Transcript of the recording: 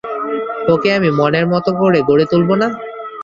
ওকে আমি মনের মতো করে গড়ে তুলব না?